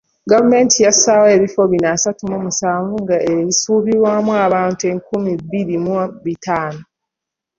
Gavumenti yali yassaawo ebifo bino asatu mu musanvu nga bisuubirwamu abantu enkumi bbiri mu bitaano.